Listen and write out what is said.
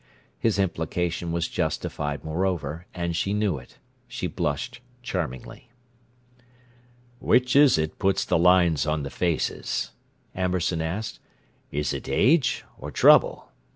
His implication was justified, moreover, and she knew it. She blushed charmingly. "Which is it puts the lines on the faces?" Amberson asked. "Is it age or trouble?